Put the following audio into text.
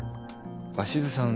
鷲津さん